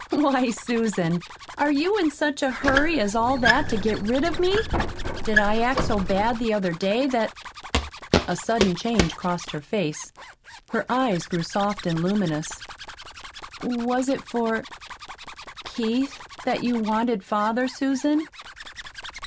"Why, Susan, are you in such a hurry as all that to get rid of me? Did I act so bad the other day that " A sudden change crossed her face. Her eyes grew soft and luminous. "Was it for Keith that you wanted father, Susan?"